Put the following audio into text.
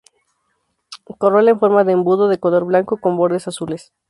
Corola en forma de embudo, de color blanco con bordes azules.